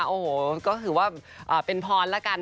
โอ้โหก็ถือว่าเป็นพรแล้วกัน